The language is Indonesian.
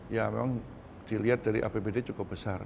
ya memang dilihat dari apbd cukup besar